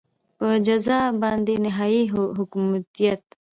په جزا باندې نهایي محکومیت.